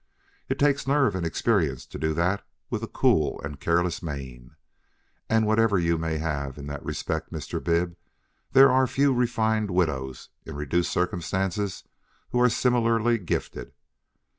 It takes nerve and experience to do that with a cool and careless mien, and, whatever you may have in that respect, Mr. Bib, there are few refined widows in reduced circumstances who are similarly gifted.